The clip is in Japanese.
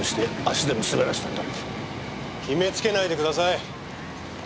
決めつけないでください。